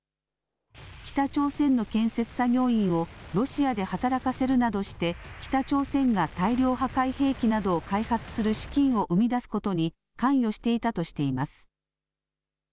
北朝鮮の建設作業員をロシアで働かせるなどして北朝鮮が大量破壊兵器などを開発する資金を生み出すことに関与していたとしています。